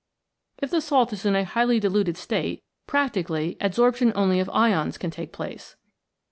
If the salt is in a highly diluted state practically adsorption only of ions can take place.